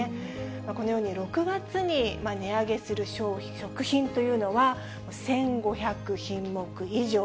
このように６月に値上げする食品というのは１５００品目以上。